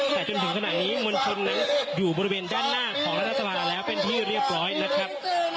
แต่จนถึงขณะนี้มวลชนนั้นอยู่บริเวณด้านหน้าของรัฐสภาแล้วเป็นที่เรียบร้อยนะครับ